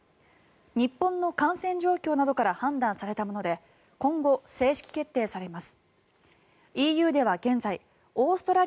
日本の感染状況などから判断されたもので今後、正式決定されます。